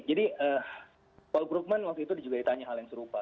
jadi paul krugman waktu itu juga ditanya hal yang serupa